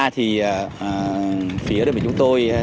thì phía đơn vị chúng tôi